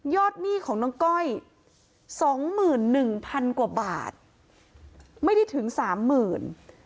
หนี้ของน้องก้อยสองหมื่นหนึ่งพันกว่าบาทไม่ได้ถึงสามหมื่น